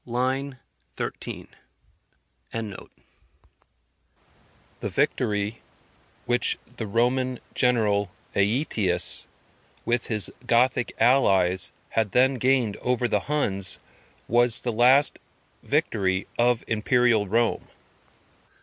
line 13.] The victory which the Roman general Aetius, with his Gothic allies, had then gained over the Huns, was the last victory of Imperial Rome.